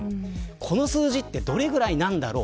この数字はどれぐらいなんだろう。